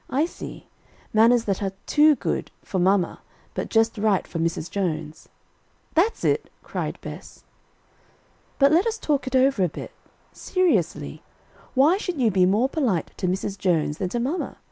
"I see; manners that are too good for mamma but just right for Mrs. Jones." "That's it," cried Bess. "But let us talk it over a bit. Seriously, why should you be more polite to Mrs. Jones than to mamma?